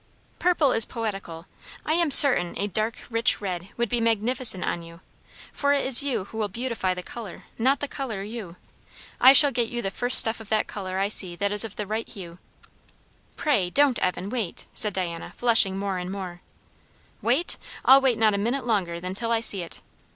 "Purple is poetical. I am certain a dark, rich red would be magnificent on you; for it is you who will beautify the colour, not the colour you. I shall get you the first stuff of that colour I see that is of the right hue." "Pray don't, Evan. Wait," said Diana, flushing more and more. "Wait? I'll not wait a minute longer than till I see it.